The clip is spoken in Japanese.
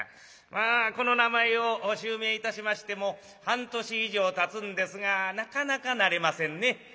まあこの名前を襲名いたしましても半年以上たつんですがなかなか慣れませんね。